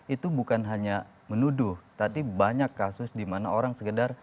itu bukan hanya menuduh tapi banyak kasus di mana orang sekedar